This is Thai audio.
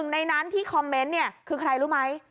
ในนั้นที่คอมเมนต์เนี่ยคือใครรู้ไหม